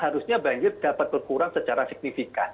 harusnya banjir dapat berkurang secara signifikan